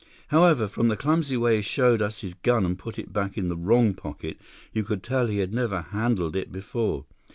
"However, from the clumsy way he showed us the gun and put it back in the wrong pocket, you could tell he had never handled it before.